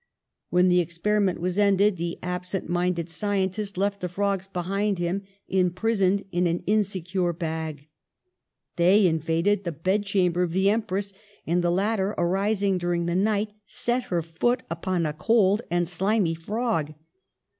When the experi ment was ended the absent minded scientist left the frogs behind him, imprisoned in an in secure bag. They invaded the bed chamber of the Empress, and the latter, arising during the night, set her foot upon a cold and slimy frog.